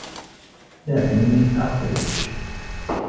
دعني أخرُج!